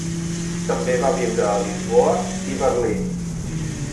També va viure a Lisboa i Berlín.